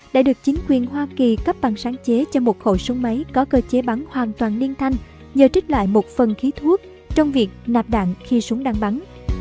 đã được chính quyền hoa kỳ cấp bằng sáng chế cho một khẩu súng máy có cơ chế bắn hoàn toàn liên thanh nhờ trích lại một phần khí thuốc trong việc nạp đạn khi súng đang bắn